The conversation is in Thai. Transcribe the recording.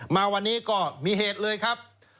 มาวันนี้ก็มีเหตุเลยครับ